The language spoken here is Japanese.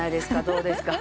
どうですか？